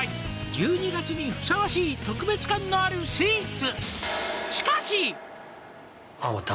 「１２月にふさわしい特別感のあるスイーツ」